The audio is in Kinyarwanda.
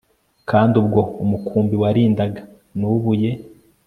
kandi ubwo umukumbi warindaga nubuye